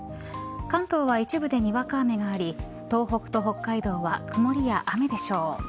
関東は一部でにわか雨があり東北と北海道は曇りや雨でしょう。